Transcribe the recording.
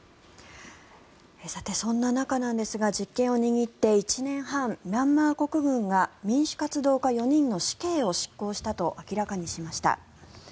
さて、そんな中なんですが実権を握って１年半ミャンマー国軍が民主活動家４人の死刑を執行したと明らかにしました。